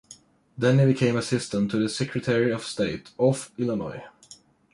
Then he became assistant to the secretary of state of Illinois.